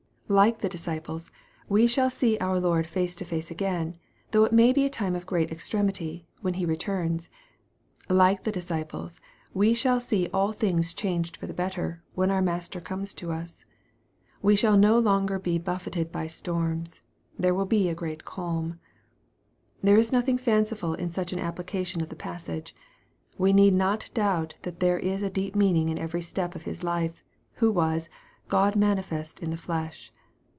Like the disciples, we shall see our Lord face to face again, though it may be a time of great extremity, when He returns. Like the disciples, we shall see all things changed for the better, when our Master comes to us. We shall no longer be buffeted by storms. There will be a great calm. There is nothing fanciful in such an application of the passage. We need not doubt that there is a deep mean ing in every step of His life, who was " God manifest in the flesh."